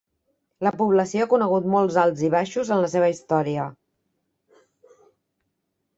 La població ha conegut molts alts i baixos en la seva història.